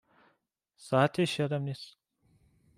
ساعتش یادم نیست